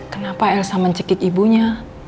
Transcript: kenapa elsa mencekik ibunya